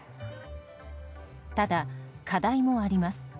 ただ、課題もあります。